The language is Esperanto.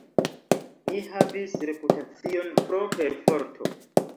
Li havis reputacion pro perforto.